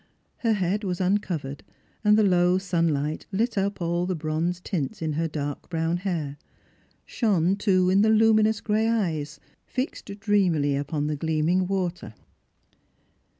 Her head was uncovered, and the low sunlight lit up all the bronze tints in her dark brown hair, shone, too, in the luminous grey eyes, fixed dreamily upon the gleaming water.